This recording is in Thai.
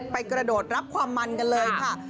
กระโดดรับความมันกันเลยค่ะ